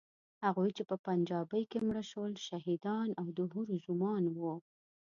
هغوی چې په پنجابۍ کې مړه شول، شهیدان او د حورو زومان وو.